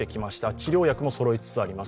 治療薬もそろいつつあります。